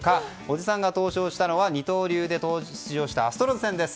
おじさんが登場したのは二刀流で出場したアストロズ戦です。